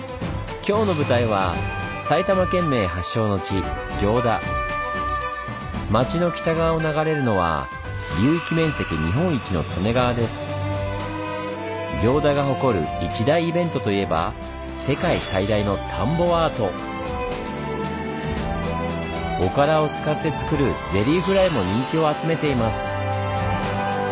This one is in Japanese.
今日の舞台は町の北側を流れるのは流域面積日本一の行田が誇る一大イベントといえばおからを使って作る「ゼリーフライ」も人気を集めています。